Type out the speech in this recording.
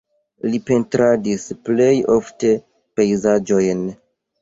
Li pentradis plej ofte pejzaĝojn.